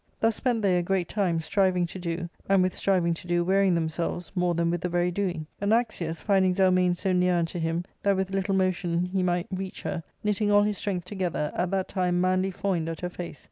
Thtis spent they a great time, striving to do, and with striving to do wearying them selves more than with the very doing. Anaxius, finding Zel mane so near unto him that with httle motion he might reach her, knitting all his strength together, at that time manly foined* at her face.